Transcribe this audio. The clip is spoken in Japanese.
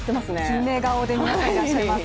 キメ顔で皆さんいらっしゃいます。